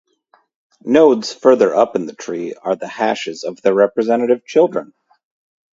Nodes further up in the tree are the hashes of their respective children.